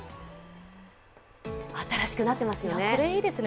新しくなっていますよね。